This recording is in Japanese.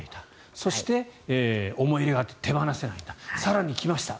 そして思い入れがあって手放せない更に来ました